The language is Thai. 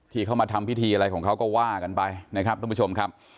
ที่เขามาทำพิธีอะไรของเขาก็ว่ากันไปนะครับทุกผู้ชมครับ